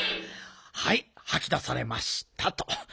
はいはき出されましたと。